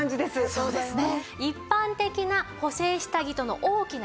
そうですね。